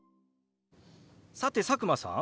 さて佐久間さん